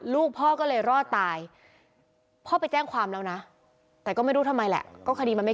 ลูกพ่อก็เลยรอดตายพ่อไปแจ้งความแล้วนะแต่ก็ไม่รู้ทำไมแหละก็คดีมันไม่